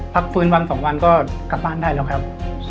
พักฟื้นวัน๒วันก็กลับบ้านได้แล้วครับ